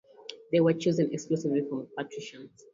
They were chosen exclusively from patricians.